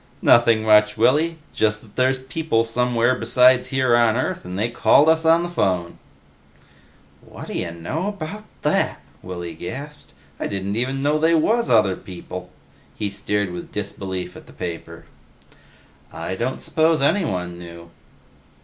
"Nothing much, Willy. Just that there's people somewhere besides here on Earth, and they called us on the phone." "Whadd'ya know about that!" Willy gasped. "I didn't even know they was other people!" He stared with disbelief at the paper. "I don't suppose anyone knew."